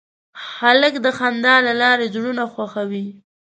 هلک د خندا له لارې زړونه خوښوي.